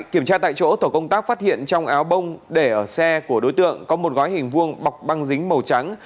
kiểm tra tại chỗ tổ công tác phát hiện trong áo bông để ở xe của đối tượng có một gói hình vuông bọc băng dính màu trắng